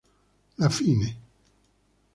La fine